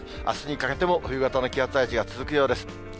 あすにかけても、冬型の気圧配置が続くようです。